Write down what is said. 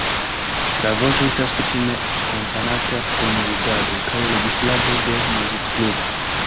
La voĉo estas kutime akompanata en ludado kaj registrado de muzikgrupo.